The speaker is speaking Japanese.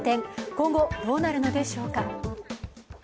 今後どうなるのでしょうか。